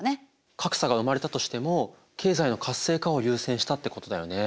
格差が生まれたとしても経済の活性化を優先したってことだよね。